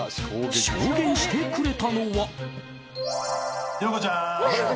証言してくれたのは。